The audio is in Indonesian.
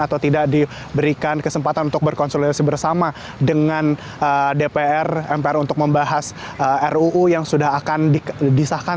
atau tidak diberikan kesempatan untuk berkonsolidasi bersama dengan dpr mpr untuk membahas ruu yang sudah akan disahkan